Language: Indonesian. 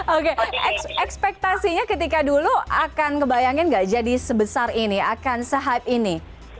oke ekspektasinya ketika dulu akan ngebayangin gak jadi sebesar ini akan se hype ini